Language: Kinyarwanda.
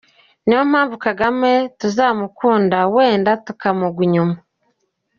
Ni yo mpamvu Kagame tuzamukunda wenda tukamugwa inyuma.